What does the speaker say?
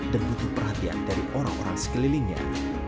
dan butuh perhatian dari orang orang sekelilingnya